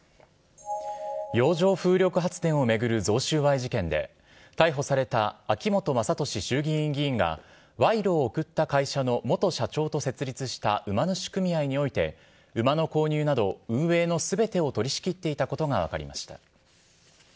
洋上風力発電を巡る贈収賄事件で、逮捕された秋本真利衆議院議員が、賄賂をおくった会社の元社長と設立した馬主組合において、馬の購入など、運営のすべてを取り仕切っていたことが分かりました。